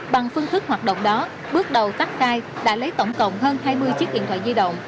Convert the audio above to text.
bằng phương thức hoạt động đó bước đầu tất khai đã lấy tổng cộng hơn hai mươi chiếc điện thoại di động